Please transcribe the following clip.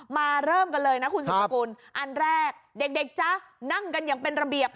มาเริ่มกันเลยนะคุณสุดสกุลอันแรกเด็กจ๊ะนั่งกันอย่างเป็นระเบียบ